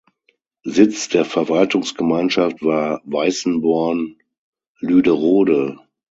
Sitz der Verwaltungsgemeinschaft war Weißenborn-Lüderode.